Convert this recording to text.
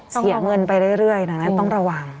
เสียเงินไปเรื่อยนะต้องระวัง